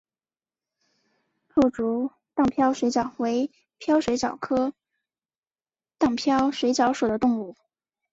厚足荡镖水蚤为镖水蚤科荡镖水蚤属的动物。